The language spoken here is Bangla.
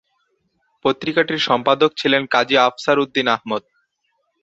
পত্রিকাটির সম্পাদক ছিলেন কাজী আফসার উদ্দীন আহমদ।